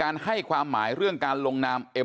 ลาออกจากหัวหน้าพรรคเพื่อไทยอย่างเดียวเนี่ย